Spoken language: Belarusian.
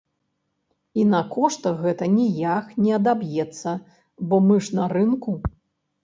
І на коштах гэта ніяк не адаб'ецца, бо мы ж на рынку.